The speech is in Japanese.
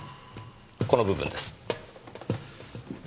この部分です。